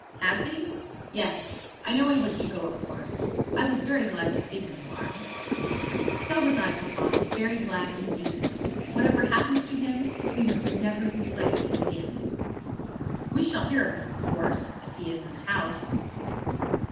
"Has he? Yes; I know he was to go, of course. I was very glad to see him, Laura." "So was I, Papa; very glad indeed. Whatever happens to him, we must never lose sight of him again." "We shall hear of him, of course, if he is in the House."